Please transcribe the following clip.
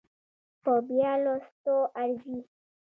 په بيا لوستو ارزي